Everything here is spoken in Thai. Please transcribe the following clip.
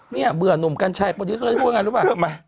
เนี่ยเบื่อนหนุ่มกันใช่โปรดิสเตอร์พูดอย่างนั้นรู้ป่ะ